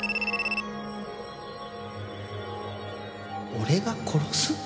俺が殺す？